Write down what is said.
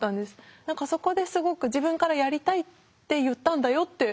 何かそこですごく自分からやりたいって言ったんだよって